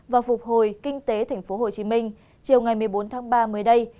và phục hồi kinh tế tp hcm chiều ngày một mươi bốn tháng ba mới đây